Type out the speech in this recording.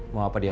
mau apa dia